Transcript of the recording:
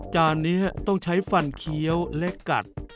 จานนี้ต้องใช้ฟันเคี้ยวและกัด